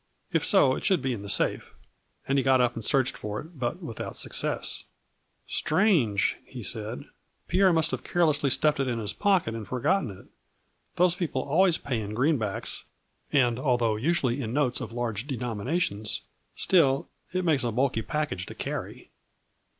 If so, it should be in the safe/ And he got up and searched for it, but without success. " 1 Strange,' he said, 4 Pierre must have carelessly stuffed it in his pocket and forgotten it. Those people always pay in greenbacks, and, although usually in notes of large denomi nations, still it makes a bulky package to carry.